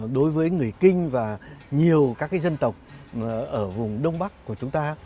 đối với người kinh và nhiều các dân tộc ở vùng đông bắc của chúng ta